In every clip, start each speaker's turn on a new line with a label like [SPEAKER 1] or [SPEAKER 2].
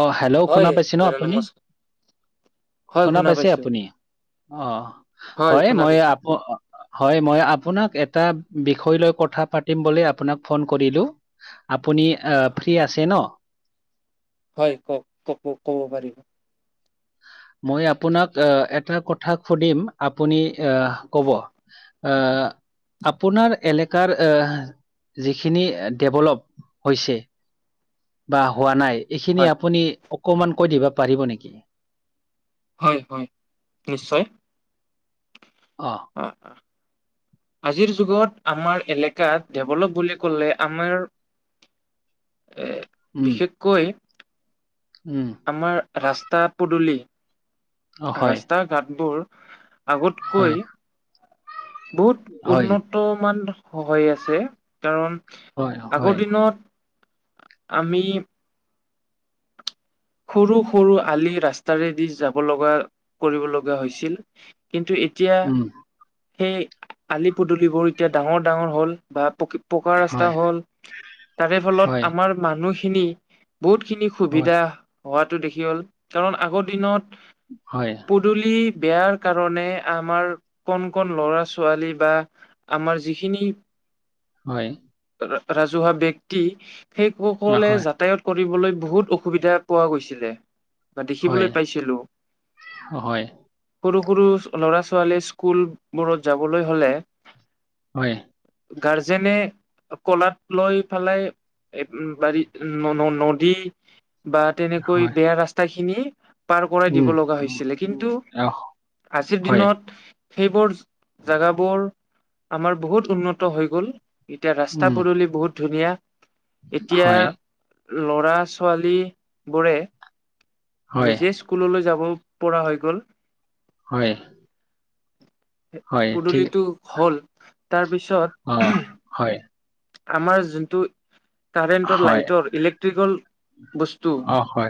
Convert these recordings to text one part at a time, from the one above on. [SPEAKER 1] অঁ, হেল্ল' শুনা
[SPEAKER 2] হয়
[SPEAKER 1] পাইছে নে
[SPEAKER 2] দাদা
[SPEAKER 1] আপুনি?
[SPEAKER 2] নমস্কাৰ হয়
[SPEAKER 1] শুনা পাইছে
[SPEAKER 2] পাইছো
[SPEAKER 1] আপুনি? অ, হয়
[SPEAKER 2] শুনা
[SPEAKER 1] মই
[SPEAKER 2] পাইছো
[SPEAKER 1] আপ হয়, মই আপোনাক এটা বিষয় লৈ কথা পাতিম বুলি আপোনাক ফোন কৰিলো। আপুনি ফ্ৰী আছে ন?
[SPEAKER 2] হয় কওঁক, ক ক'ব পাৰি।
[SPEAKER 1] মই আপোনাক এটা কথা সুধিম, আপুনি আ ক'ব? এহ, আপোনাৰ এলেকাৰ এহ, যিখিনি এ ডেভল'প হৈছে বা হোৱা নাই এইখিনি
[SPEAKER 2] হয়
[SPEAKER 1] আপুনি অকমাণ কৈ দিবা পাৰিব নেকি?
[SPEAKER 2] হয়, হয়। নিশ্চয়।
[SPEAKER 1] অঁ
[SPEAKER 2] অঁ অঁ। আজিৰ যুগত আমাৰ এলেকাত ডেভল'প বুলি ক'লে আমাৰ এ
[SPEAKER 1] [inaudible]
[SPEAKER 2] বিশেষকৈ
[SPEAKER 1] উম।
[SPEAKER 2] আমাৰ ৰাস্তা পদুলি,
[SPEAKER 1] অ হয়
[SPEAKER 2] ৰাস্তাৰ ঘাটবোৰ
[SPEAKER 1] হয়
[SPEAKER 2] আগতকৈ বহুত
[SPEAKER 1] হয়
[SPEAKER 2] উন্নত মান হৈ আছে। কাৰণ
[SPEAKER 1] হয় হয়
[SPEAKER 2] আগৰ দিনত আমি সৰু সৰু আলি ৰাস্তাৰেদি যাব লগা, কৰিব লগা হৈছিল, কিন্তু এত ইতিয়া
[SPEAKER 1] উম,
[SPEAKER 2] সেই আলি পদুলিবোৰ এতিয়া ডাঙৰ ডাঙৰ হ'ল বা পকী পকা
[SPEAKER 1] হয়,
[SPEAKER 2] ৰাস্তা হ'ল, তাৰে ফলত
[SPEAKER 1] হয়,
[SPEAKER 2] আমাৰ মানুহখিনি বহুতখিনি
[SPEAKER 1] হয়,
[SPEAKER 2] সুবিধা হোৱাটো দেখি হ'ল, কাৰণ আগৰ দিনত
[SPEAKER 1] হয়।
[SPEAKER 2] পদুলি বেয়াৰ কাৰণে আমাৰ কণ কন ল'ৰা ছোৱালী বা আমাৰ যিখিনি
[SPEAKER 1] হয়।
[SPEAKER 2] ৰা ৰাজহুৱা ব্যক্তি সেই
[SPEAKER 1] অ',
[SPEAKER 2] সকলে
[SPEAKER 1] হয়,
[SPEAKER 2] যাতায়ত কৰিবলৈ বহুত অসুবিধা পোৱা গৈছিলে। বা
[SPEAKER 1] হয়,
[SPEAKER 2] দেখিবলৈ পাইছিলোঁ।
[SPEAKER 1] হয়,
[SPEAKER 2] সৰু সৰু ল'ৰা ছোৱালীয়ে স্কুল বোৰত যাবলৈ হ'লে
[SPEAKER 1] হয়।
[SPEAKER 2] গাৰজেনে ক'লাত লৈ পেলাই এ বাৰী ন' ন' নদী বা তেনেকৈ
[SPEAKER 1] হয়,
[SPEAKER 2] বেয়া ৰাস্তা খিনি পাৰ কৰাই
[SPEAKER 1] উম,
[SPEAKER 2] দিব লগা
[SPEAKER 1] উম,
[SPEAKER 2] হৈছিলে।
[SPEAKER 1] উম,
[SPEAKER 2] কিন্তু
[SPEAKER 1] অহ,
[SPEAKER 2] আজিৰ
[SPEAKER 1] হয়,
[SPEAKER 2] দিনত সেইবোৰ, জাগাবোৰ আমাৰ বহুত উন্নত হৈ গ'ল। এতিয়া ৰাস্তা
[SPEAKER 1] উম,
[SPEAKER 2] পদূলি বহুত ধুনীয়া। এতিয়া
[SPEAKER 1] হয়,
[SPEAKER 2] ল'ৰা ছোৱালী বোৰে
[SPEAKER 1] হয়,
[SPEAKER 2] নিজে স্কুললৈ যাব পৰা হৈ গ'ল।
[SPEAKER 1] হয়। হয়, ঠিক,
[SPEAKER 2] পদূলীটো হ'ল তাৰ পিছত
[SPEAKER 1] অঁ, হয়
[SPEAKER 2] আমাৰ যোনটো কাৰেণ্টৰ
[SPEAKER 1] হয়,
[SPEAKER 2] লাইটৰ ইলেক্ট্ৰিকল বস্তু
[SPEAKER 1] অ', হয়,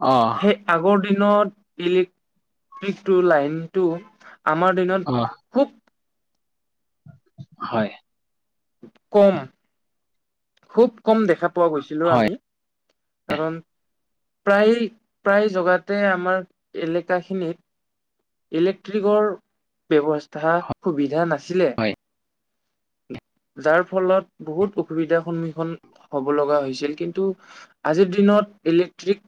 [SPEAKER 1] অ',
[SPEAKER 2] সেই আগৰ দিনত ইলেক্ট্ৰিকটো লাইনটো আমাৰ দিনত
[SPEAKER 1] অঁহ
[SPEAKER 2] খুব
[SPEAKER 1] হয়।
[SPEAKER 2] কম খুব কম দেখা পোৱা গৈছিলো অ'
[SPEAKER 1] হয়,
[SPEAKER 2] আমি। কাৰণ প্ৰায়- প্ৰায় জগাতে আমাৰ এলেকাখিনিত ইলেক্ট্ৰিকৰ ব্যৱস্থা সুবিধা নাছিলে।
[SPEAKER 1] হয়',।
[SPEAKER 2] যাৰ ফলত বহুত অসুবিধাৰ সন্মুখীন হব লগা হৈছিল। কিন্তু আজিৰ দিনত ইলেক্ট্ৰিক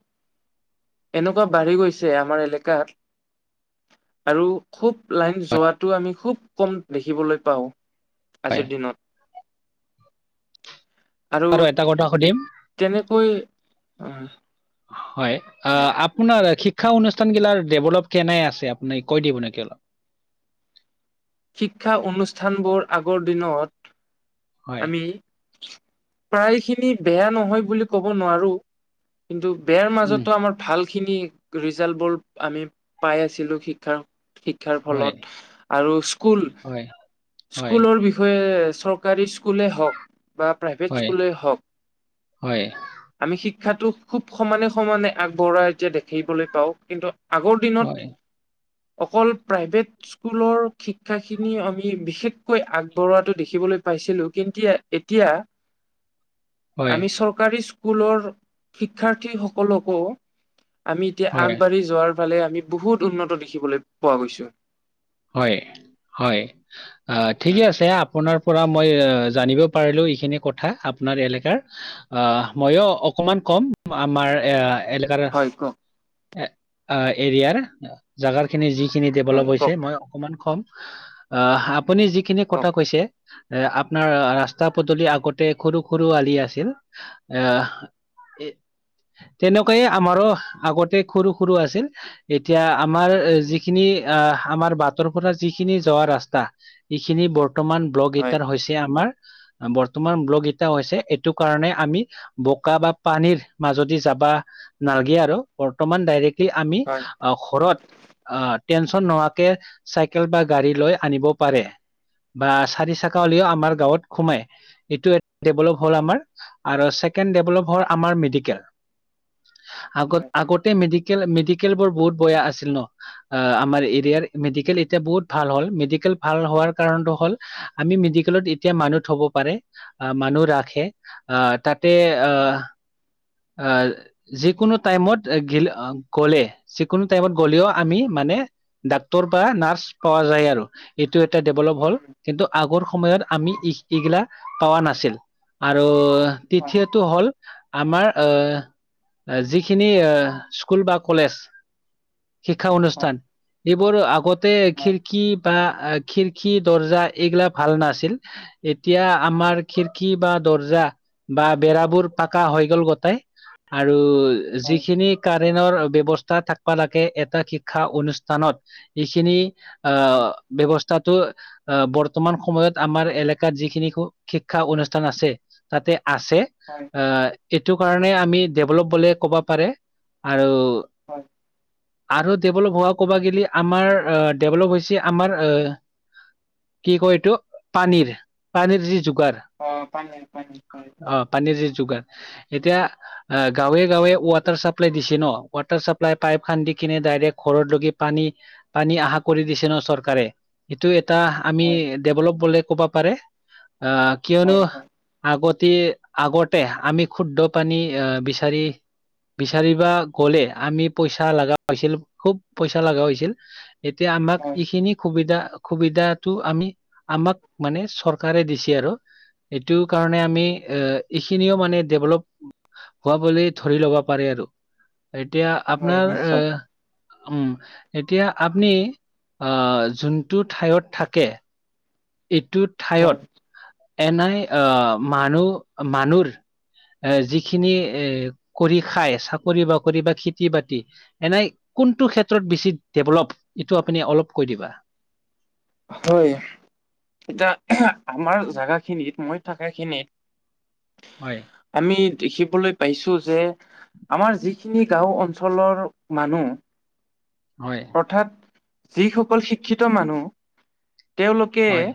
[SPEAKER 2] এনেকুৱা বাঢ়ি গৈছে আমাৰ এলেকাত, আৰু খুব লাইন
[SPEAKER 1] হয়,
[SPEAKER 2] যোৱাটো আমি খুব কম দেখিবলৈ পাওঁ
[SPEAKER 1] হয়।
[SPEAKER 2] আজিৰ দিনত। আৰু
[SPEAKER 1] এটা কথা সুধিম,
[SPEAKER 2] তেনেকৈ
[SPEAKER 1] হয়',
[SPEAKER 2] হয়
[SPEAKER 1] আ' আপোনাৰিক শিক্ষা অনুষ্ঠানগিলাৰ ডেভেলপ কেনে আছে? আপুনি কৈ দিব নেকি অলপ।
[SPEAKER 2] শিক্ষা অনুষ্ঠান বোৰ আগৰ দিনত।
[SPEAKER 1] হয়,
[SPEAKER 2] আমি প্ৰায়খিনি বেয়া নহয় বুলি ক'ব নোৱাৰো। কিন্তু বেয়াৰ
[SPEAKER 1] উম,
[SPEAKER 2] মাজতো আমাৰ ভাল খিনি ৰিজাল্টবোৰ, আমি পাই আছিলো শিক্ষাৰ। শিক্ষাৰ
[SPEAKER 1] হয়,
[SPEAKER 2] ফলত আৰু স্কুল,
[SPEAKER 1] হয়, হয়,
[SPEAKER 2] স্কুলৰ বিষ বিষয় চৰকাৰী স্কুলেই হক। বা প্ৰাইভেট
[SPEAKER 1] হয়,
[SPEAKER 2] স্কুলেই হক।
[SPEAKER 1] হয়,
[SPEAKER 2] আমি শিক্ষাটো খুব সমানে সমানে আগবঢ়া এতিয়া দেখিবলৈ পাওঁ। কিন্তু আগৰ দিনত,
[SPEAKER 1] হয়।
[SPEAKER 2] অকল প্ৰাইভেট স্কুলৰ শি শিক্ষা খিনি আমি বিশেষকৈ আগবঢ়োৱাটো দেখিবলৈ পাইছিলো। কিন্তু এতিয়া
[SPEAKER 1] [unintelligible]
[SPEAKER 2] আমি চৰকাৰী স্কুলৰ শিক্ষাৰ্থী সকলকো আমি এতিয়া
[SPEAKER 1] হয়,
[SPEAKER 2] আগবাঢ়ি যোৱাৰ ফালে, আমি বহুত উন্নত দেখিবলৈ পোৱা গৈছো।
[SPEAKER 1] হয়', হয়', আহ' ঠিকে
[SPEAKER 2] উম,
[SPEAKER 1] আছে। আপোনাৰ পৰা মই জানিব পাৰিলোঁ, এইখিনি কথা আপোনাৰ এলেকাৰ। আ' ময়ো অকমান কম, আমাৰ এ' এলে কাৰ,
[SPEAKER 2] হয় কওক
[SPEAKER 1] এৰিয়াৰ জাগাৰ খিনি যিখিনি ডেভেলপ
[SPEAKER 2] হয়
[SPEAKER 1] হৈছে,
[SPEAKER 2] কওক
[SPEAKER 1] মই অকমান কম। আহ' আপুনি যিখিনি
[SPEAKER 2] কওক
[SPEAKER 1] কথা কৈছে এ' আপনাৰ ৰাস্তা পদূলি আগতে সৰু সৰু আলি আছিল। এ' এ' তেনেকুৱাই, আমাৰো আগতে সৰু সৰু আছিল। এতিয়া আমাৰ যিখিনি আহ' আমাৰ বাট তৰ পৰা যিখিনি যোৱা ৰাস্তা, ইখিনি বৰ্তমান ব্লক
[SPEAKER 2] হয়
[SPEAKER 1] ইটাৰ হৈছে আমাৰ। বৰ্তমান ব্লগ ইটা হৈছে, সেটো কাৰণে আমি বোকা বা পানীৰ মাজদি যাবা নালগে আৰু, বৰ্তমান ডাইৰেক্ট কি আমি
[SPEAKER 2] হয়।
[SPEAKER 1] আহ' ঘৰত আহ টেনচন নহাকে চাইকেল বা গাড়ী লৈ আনিব পাৰে। বা চাৰি চাকা হলিও আমাৰ গাঁৱত সোমাই, এইটো এ' ডেভেলপ হ'ল আমাৰ। আৰু ছেকেণ্ড ডেভেলপ হ'ল আমাৰ মেডিকেল। আগত- আগতে মেডি কেল মেডিকেলবোৰ বহুত বয়া আছিল ন'। আ' আমাৰ এৰিয়াৰ মেডি কেল এতিয়া বহুত ভাল হ'ল। মেডিকেল ভাল হোৱাৰ কাৰণটো হ'ল আমি মেডিকেলত এতিয়া মানুহ থ'ব পাৰে। আ' মানুহ ৰাখে। আহ তাতে আহ আ' যিকোনো টাইমত গে'লে- গ'লে। যিকোনো টাইমত গ'লেওঁ আমি মানে ডাক্তৰ বা নাৰ্ছ পোৱা যায় আৰু। এইটো এটা ডেভেলপ হ'ল। কিন্তু আগৰ সময়ত আমি ইছ এইগিলা পোৱা নাছিল। আৰু তৃতীয়টো হ'ল আমাৰ যিখিনি স্কুল বা কলেজ শিক্ষা অনুষ্ঠান, এইবোৰ আগতে খিৰকি বা খিৰকী, দৰ্জা এগলা ভাল নাছিল। এতিয়া আমাৰ খিৰিকী বা দৰ্জা বা বেৰাবোৰ পাকা হৈ গ'ল গট তাই আৰু যিখিনি কাৰেনৰ ব্যৱস্থা থাকবা লাগে, এটা শিক্ষা অনুষ্ঠানত এইখিনি আহ, ব্যৱস্থাটো আ, বৰ্তমান সময়ত আমাৰ এলেকাত যিখিনি শিক্ষা অনুষ্ঠান আছে। তাতে আছে। আ, এইটো কাৰণে আমি ডেভলপ বুলিয়ে ক'বা পাৰে, আৰু
[SPEAKER 2] হয়।
[SPEAKER 1] আৰু ডেভেলপ হোৱা ক'বা গেলি আমাৰ আহ, ডেভেলপ হৈছে আমাৰ আহ কি কয় এইটো পানীৰ, পানীৰ যি যোগাৰ
[SPEAKER 2] অ। পানী, পানী, পানী।
[SPEAKER 1] অ পানীৰ যি যোগাৰ এতিয়া আহ গাঁৱে-গাঁৱে ৱাটাৰ চাপ্লাই দিছে ন, ৱাটাৰ চাপ্লাই পাইপ খান্দি কিনে, ডাইৰেক্ট ঘৰত লৈকে পানী পানী অহা কৰি দিছে ন চৰকাৰে, সেইটো এটা আমি ডেভলপ বুলি কবা পাৰে। আহ কিয়নো আগতে, আগতে আমি শুদ্ধ পানী আহ বিচাৰি বিচাৰিবা গলে আমি পইচা লগা হৈছিল, খুব পইচা লগা হৈছিল। এতিয়া আমাক এইখিনি সুবিধা সুবিধাটো আমি, আমাক মানে চৰকাৰে দিছে আৰু। এইটো কাৰণে আমি অ, এইখিনিও মানে ডেভলপ হোৱা বুলি ধৰি ল'ব পাৰে আৰু। এতিয়া
[SPEAKER 2] হয়
[SPEAKER 1] আপোনাৰ
[SPEAKER 2] নিশ্চয়
[SPEAKER 1] উম, এতিয়া আপুনি আহ যোনটো ঠাইত থাকে এইটো ঠাইত
[SPEAKER 2] হয়
[SPEAKER 1] এনাই আহ মানুহ মানুহৰ এ, যিখিনি এ, কৰি খাই চাকৰি-বাকৰি বা খেতি-বাতি এনেই কোনটো ক্ষেত্ৰত বেছি ডেভলপ, এইটো আপুনি অলপ কৈ দিবা।
[SPEAKER 2] হয়। এতিয়া আমাৰ জাগা খিনিত, মই থকা খিনিত
[SPEAKER 1] হয়।
[SPEAKER 2] আমি দেখিবলৈ পাইছো যে আমাৰ যিখিনি গাঁও অঞ্চলৰ মানুহ
[SPEAKER 1] হয়।
[SPEAKER 2] অৰ্থাৎ যিসকল শিক্ষিত মানুহ তেওঁলোকে
[SPEAKER 1] হয়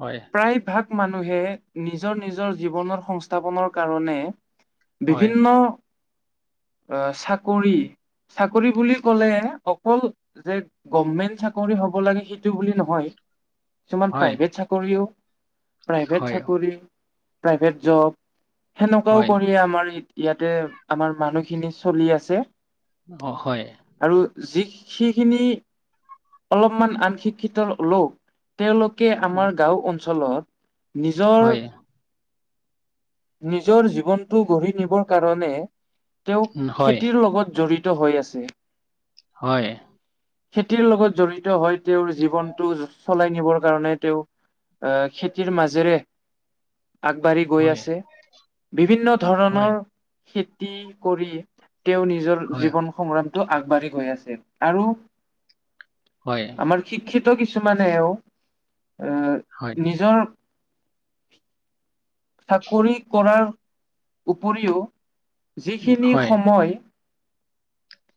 [SPEAKER 1] হয়।
[SPEAKER 2] প্ৰায় ভাগ মানুহে নিজৰ নিজৰ জীৱনৰ সংস্থাপনৰ কাৰণে
[SPEAKER 1] হয়
[SPEAKER 2] বিভিন্ন চাকৰি চাকৰি বুলি কলে অকল যে, গভমেন্ট চাকৰি হ'ব লাগে সেইটো বুলি নহয়। কিছুমান
[SPEAKER 1] হয়
[SPEAKER 2] প্ৰাইভেট চাকৰিও, প্ৰাইভেট
[SPEAKER 1] হয়
[SPEAKER 2] চাকৰি, প্ৰাইভেট জব সেনেকুৱাও
[SPEAKER 1] হয়
[SPEAKER 2] কৰি আমাৰ ইয়াতে, আমাৰ মানুহখিনি চলি আছে
[SPEAKER 1] অ, হয়।
[SPEAKER 2] আৰু যি সিখিনি অলপমান আন শিক্ষিত লোক তেওঁলোকে
[SPEAKER 1] উম,
[SPEAKER 2] আমাৰ গাঁও অঞ্চলত নিজৰ
[SPEAKER 1] হয়
[SPEAKER 2] নিজৰ জীৱনটো গঢ়ি নিবৰ কাৰণে তেওঁ
[SPEAKER 1] উম, হয়
[SPEAKER 2] খেতিৰ লগত জড়িত হৈ আছে।
[SPEAKER 1] হয়।
[SPEAKER 2] খেতিৰ লগত জড়িত হৈ তেওঁৰ জীৱনটো চলাই নিবৰ কাৰণে তেওঁ এ খেতিৰ মাজেৰে আগবাঢ়ি গৈ
[SPEAKER 1] হয়
[SPEAKER 2] আছে বিভিন্ন
[SPEAKER 1] হয়
[SPEAKER 2] ধৰণৰ খেতি কৰি তেওঁ নিজৰ
[SPEAKER 1] হয়
[SPEAKER 2] জীৱন সংগ্ৰামটো আগবাঢ়ি গৈ আছে আৰু
[SPEAKER 1] হয়
[SPEAKER 2] আমাৰ শিক্ষিত কিছুমানেও এ
[SPEAKER 1] হয়
[SPEAKER 2] নিজৰ চাকৰি কৰাৰ উপৰিও
[SPEAKER 1] উম,
[SPEAKER 2] যিখিনি
[SPEAKER 1] হয়
[SPEAKER 2] সময়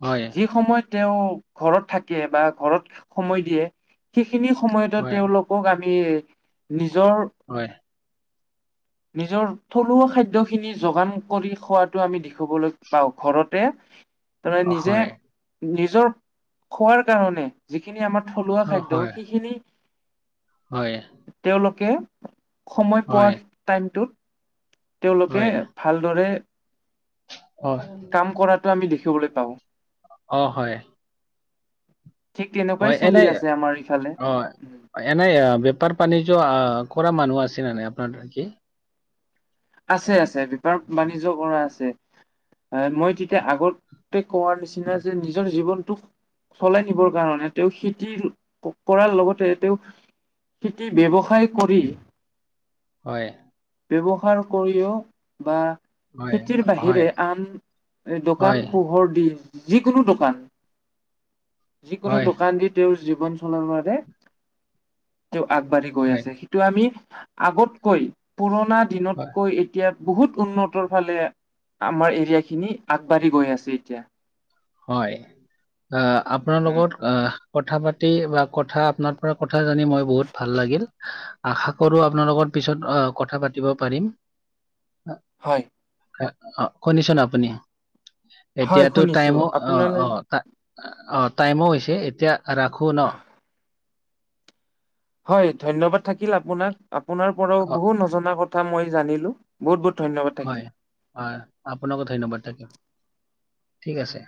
[SPEAKER 1] হয়।
[SPEAKER 2] যি সময়ত তেওঁ ঘৰত থাকে বা ঘৰত সময় দিয়ে সেইখিনি সময়তো তেওঁলোকক আমি নিজৰ
[SPEAKER 1] হয়।
[SPEAKER 2] নিজৰ থলুৱা খাদ্যখিনি যোগান কৰি খোৱাটো আমি দেখাবলৈ পাওঁ ঘৰতে
[SPEAKER 1] [inaudible]
[SPEAKER 2] ধৰা নিজে
[SPEAKER 1] হয়
[SPEAKER 2] নিজৰ খোৱাৰ কাৰণে যিখিনি আমাৰ থলুৱা
[SPEAKER 1] অ,
[SPEAKER 2] খাদ্য
[SPEAKER 1] হয়
[SPEAKER 2] সেইখিনি
[SPEAKER 1] হয়।
[SPEAKER 2] তেওঁলোকে সময় পোৱা
[SPEAKER 1] হয়
[SPEAKER 2] টাইমটোত তেওঁলোকে
[SPEAKER 1] হয়
[SPEAKER 2] ভালদৰে
[SPEAKER 1] হয়
[SPEAKER 2] কাম কৰাটো আমি দেখিবলৈ পাওঁ
[SPEAKER 1] অ হয়।
[SPEAKER 2] ঠিক
[SPEAKER 1] হয়
[SPEAKER 2] তেনেকুৱাই
[SPEAKER 1] এনে
[SPEAKER 2] চলি আছে আমাৰ এইফালে
[SPEAKER 1] অ এনেই আ বেপাৰ বাণিজ্য আ কৰা মানুহ আছে নে নাই আপোনাৰ কি
[SPEAKER 2] আছে আছে বেপাৰ বাণিজ্য কৰা আছে মই তেতিয়া আগৰ তে কোৱাৰ নিচিনা যে নিজৰ জীৱনটো চলাই নিবৰ কাৰণে তেওঁ খেতি কৰাৰ লগতে তেওঁ খেতি ব্যৱসায় কৰি
[SPEAKER 1] হয়।
[SPEAKER 2] ব্যৱহাৰ কৰিও বা
[SPEAKER 1] হয়
[SPEAKER 2] খেতিৰ
[SPEAKER 1] হয়
[SPEAKER 2] বাহিৰে আন দোকান
[SPEAKER 1] হয়
[SPEAKER 2] পোহৰ দিন যিকোনো দোকান যিকোনো
[SPEAKER 1] হয়
[SPEAKER 2] দোকান দি তেওঁৰ জীৱন চলাৰ বাদে তেওঁ আগবাঢ়ি গৈ
[SPEAKER 1] হয়
[SPEAKER 2] আছেহি ত আমি আগতকৈ পুৰণা দিনৰ
[SPEAKER 1] হয়
[SPEAKER 2] কৈ এতিয়া বহুত উন্নতৰ ফালে আমাৰ এৰিয়া খিনি আগবাঢ়ি গৈ আছে এতিয়া
[SPEAKER 1] হয় আ আপোনাৰ
[SPEAKER 2] উম,
[SPEAKER 1] লগত আহ কথা পাতি বা কথা আপনাৰ পৰা কথা জানি মই বহুত ভাল লাগিল আশা কৰো আপোনালোকৰ পিছত আহ কথা পাতিব পাৰিম
[SPEAKER 2] হয়।
[SPEAKER 1] অ অ শুনিছ-ন আপুনি
[SPEAKER 2] হয়
[SPEAKER 1] এতিয়াতো
[SPEAKER 2] শুনিছো
[SPEAKER 1] টাইমো অ অ
[SPEAKER 2] আপোনালৈ
[SPEAKER 1] অ, টাইমো হৈছে এতিয়া ৰাখো ন।
[SPEAKER 2] হয়, ধন্যবাদ থাকিল, আপোনাক, আপোনাৰ পৰাও
[SPEAKER 1] অ
[SPEAKER 2] বহু নজনা কথা মই জানিলো। বহুত, বহুত, ধন্যবাদ
[SPEAKER 1] হয়
[SPEAKER 2] থাকিল।
[SPEAKER 1] হয়, আপোনাকো ধন্যবাদ থাকিল ঠিক আছে।